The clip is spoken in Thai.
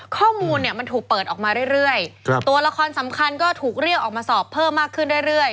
ข้อมูลเนี่ยมันถูกเปิดออกมาเรื่อยตัวละครสำคัญก็ถูกเรียกออกมาสอบเพิ่มมากขึ้นเรื่อย